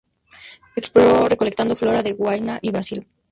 Exploró, recolectando flora de Guyana y de Brasil.